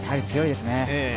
強いですね。